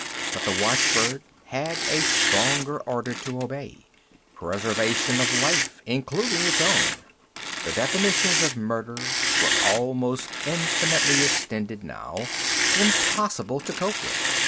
But the watchbird had a stronger order to obey preservation of life, including its own. The definitions of murder were almost infinitely extended now, impossible to cope with.